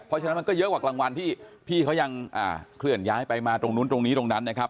เพราะฉะนั้นมันก็เยอะกว่ากลางวันที่พี่เขายังเคลื่อนย้ายไปมาตรงนู้นตรงนี้ตรงนั้นนะครับ